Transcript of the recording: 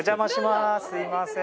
すみません。